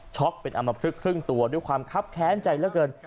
เป็นอำมพลึกครึ่งตัวด้วยความคับแค้นใจเหลือเกิน